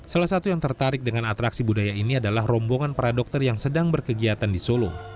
salah satu yang tertarik dengan atraksi budaya ini adalah rombongan para dokter yang sedang berkegiatan di solo